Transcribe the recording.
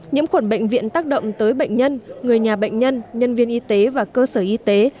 nhiễm khuẩn bệnh viện tác động tới bệnh nhân người nhà bệnh nhân nhân viên y tế và cơ sở y tế